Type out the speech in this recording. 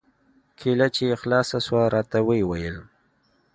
کېله چې يې خلاصه سوه راته ويې ويل.